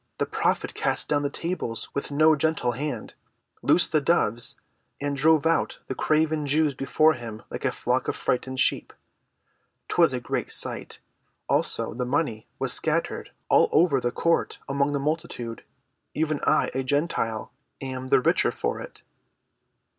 The Prophet cast down the tables with no gentle hand, loosed the doves, and drove out the craven Jews before him like a flock of frightened sheep. 'Twas a great sight. Also, the money was scattered all over the court among the multitude. Even I, a Gentile, am the richer for it."